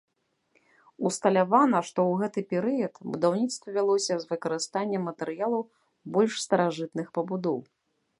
Усталявана, што ў гэты перыяд будаўніцтва вялося з выкарыстаннем матэрыялаў больш старажытных пабудоў.